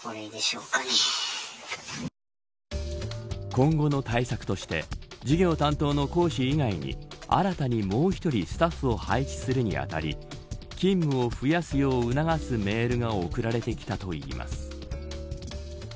今後の対策として授業担当の講師以外に新たにもう１人スタッフを配置するに当たり勤務を増やすよう促すメールが送られてきたといいます。